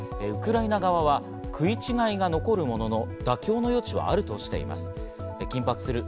ウクライナ側は食い違いが残るものの、妥協の余地はあるとしています。